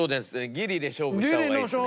ギリで勝負した方がいいですね。